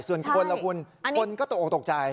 ส่วนคนแล้วคุณคนก็ตกตกใจ